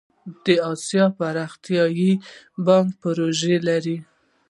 د اسیا پرمختیایی بانک پروژې لري